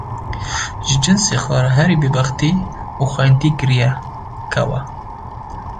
ji cinsê xwe re herî bêbextî û xayîntî kiriye kew e.